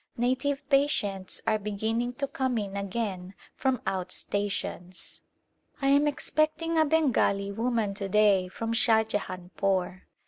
Native patients are beginning to come in again from out stations. I am expecting a Bengali woman to day from Shahjahanpore.